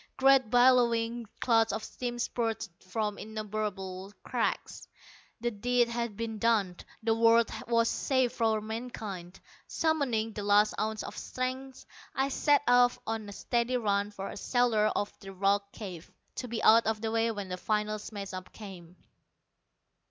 Great billowing clouds of steam spurted from innumerable cracks. The deed had been done! The world was saved for mankind! Summoning the last ounce of strength, I set off on a steady run for the shelter of the rock cave, to be out of the way when the final smash up came.